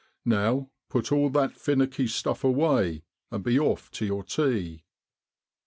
Now put all that finnicky stuff away, and be off to your tea.'